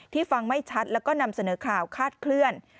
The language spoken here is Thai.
ฟังไม่ชัดแล้วก็นำเสนอข่าวคาดเคลื่อน